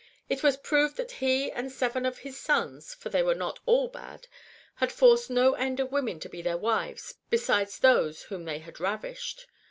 It was proved that he and seven of his sons (for they were not all bad) had forced no end of women to be their wives, besides those whom they had ravished.